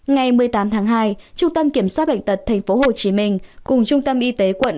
ngày một mươi tám tháng hai trung tâm kiểm soát bệnh tật tp hcm cùng trung tâm y tế quận